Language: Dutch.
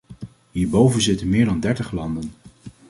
Hierboven zitten meer dan dertig leden.